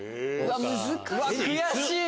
難しい。